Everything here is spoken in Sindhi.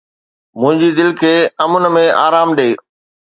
منهنجي دل کي امن ۾ آرام ڏي